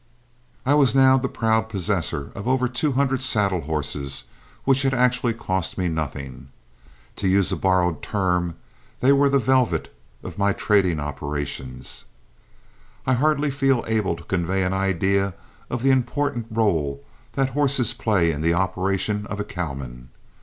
I was now the proud possessor of over two hundred saddle horses which had actually cost me nothing. To use a borrowed term, they were the "velvet" of my trading operations. I hardly feel able to convey an idea of the important rôle that the horses play in the operations of a cowman.